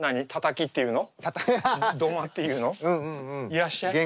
いらっしゃい。